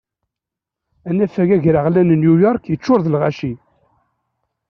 Anafag agraɣlan n New York yeččur d lɣaci.